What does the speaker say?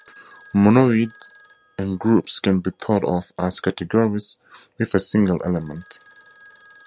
Monoids and groups can be thought of as categories with a single element.